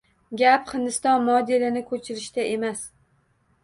Gap Hindiston modelini koʻchirishda emas